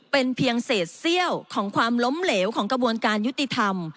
เป็นเพียงเศษเซี่ยวของความล้มเหลวของกระบวนการยุติธรรม